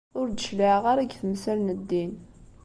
Ur d-cliɛeɣ ara deg temsal n ddin.